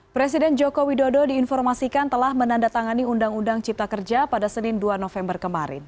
presiden joko widodo diinformasikan telah menandatangani undang undang cipta kerja pada senin dua november kemarin